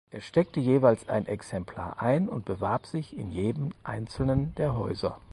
Er steckte jeweils ein Exemplar ein und bewarb sich in jedem einzelnen der Häuser.